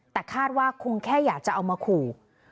แต่คาดว่าคงแค่อยากจะเอามาขู่